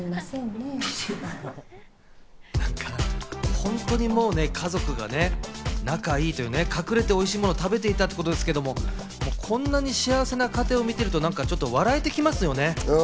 本当にもうね、家族が仲いいという隠れておいしいものを食べていたということですけど、こんなに幸せな家庭を見ていると笑えてきますよね。